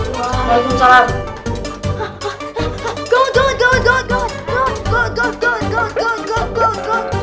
jangan keluar nih